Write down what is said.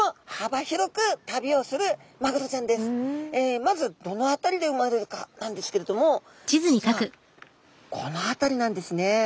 まずどの辺りで生まれるかなんですけれども実はこの辺りなんですね。